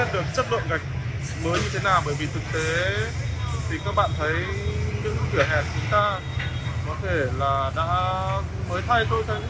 thì các bạn thấy những kiểu hẹt chúng ta có thể là đã mới thay thôi